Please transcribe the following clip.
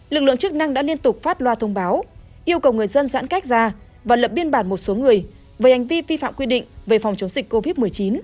lực lượng chức năng đã liên tục phát loa thông báo yêu cầu người dân giãn cách ra và lập biên bản một số người về hành vi vi phạm quy định về phòng chống dịch covid một mươi chín